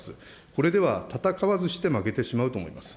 これでは戦わずして負けてしまうと思います。